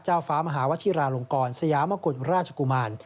เจ้าฟ้ามหาวชิราลงกรสยามกุฎราชกุมาร